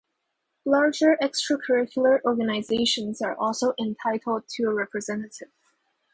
Larger extracurricular organisations are also entitled to a representative.